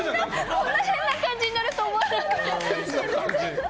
こんな変な感じになると思わなくて。